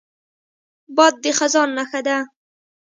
باد د خزان نښه ده